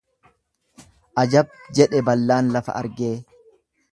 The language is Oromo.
Ajab jedhe ballaan lafa argee.